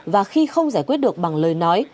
và khi không giải quyết được bằng lời nói